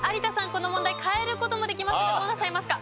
この問題変える事もできますがどうなさいますか？